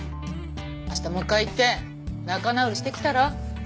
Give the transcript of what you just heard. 明日もう一回行って仲直りしてきたら？